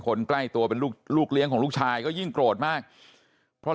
คนใกล้ตัวเป็นลูกลูกเลี้ยงของลูกชายก็ยิ่งโกรธมากเพราะ